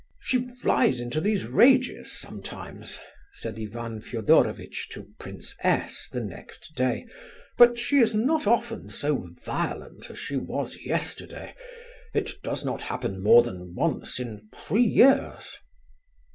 "She flies into these rages sometimes," said Ivan Fedorovitch to Prince S. the next day, "but she is not often so violent as she was yesterday; it does not happen more than once in three years."